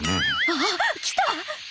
あっ来た！